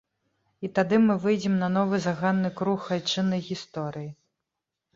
І тады мы выйдзем на новы заганны круг айчыннай гісторыі.